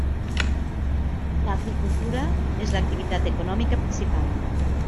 L'agricultura és l'activitat econòmica principal.